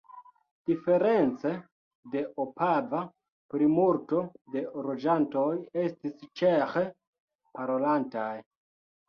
Diference de Opava plimulto de loĝantoj estis ĉeĥe parolantaj.